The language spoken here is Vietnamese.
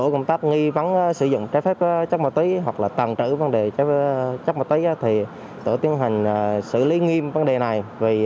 vấn vấn sử dụng trái phép chất ma túy hoặc là tăng trữ vấn đề chất ma túy thì tổ tiến hành xử lý nghiêm vấn đề này